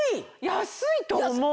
安いと思う！